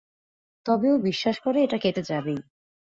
তবে ও বিশ্বাস করে এটা কেটে যাবেই।